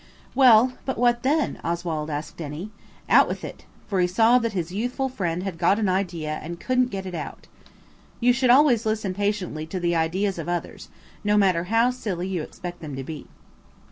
"Well, but what then?" Oswald asked Denny. "Out with it," for he saw that his youthful friend had got an idea and couldn't get it out. You should always listen patiently to the ideas of others, no matter how silly you expect them to be.